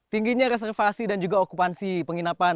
tingginya reservasi dan juga okupansi penginapan